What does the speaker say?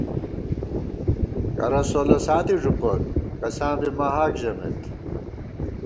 کرہ سولہ ساتی ݫُپوت، کساں بی مَہاک ژَمېت